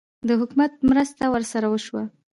د حکومت مرسته ورسره وشوه؟